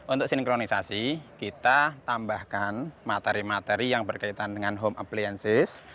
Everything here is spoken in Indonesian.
untuk sinkronisasi kita tambahkan materi materi yang berkaitan dengan home appliances